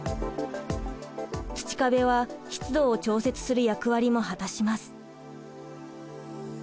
土壁は湿度を調節する役割も果たします。